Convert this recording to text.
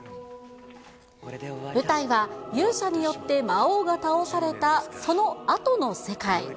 舞台は、勇者によって魔王が倒されたそのあとの世界。